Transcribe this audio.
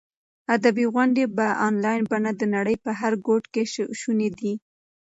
ادبي غونډې په انلاین بڼه د نړۍ په هر ګوټ کې شونې دي.